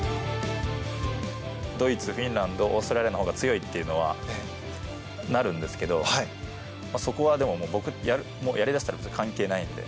ドイツ、フィンランドオーストラリアのほうが強いっていうのはなるんですけどそこは、やり出したら関係ないので。